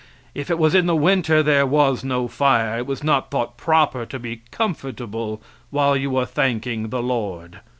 If it was in the winter there was no fire; it was not thought proper to be comfortable while you were thanking the Lord.